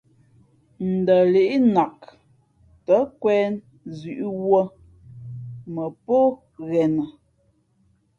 Ndα līʼ nak tα nkwēn zʉ̌ʼ wūᾱ mα pō ghenα.